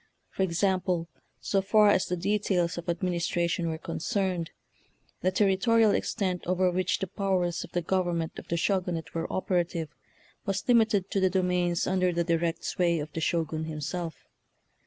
For example, so far as the de tails of administration were concerned, the territorial extent over which the powers of the government of the Sho gunate were operative was limited to the domains under the direct sway of the Shogun himself.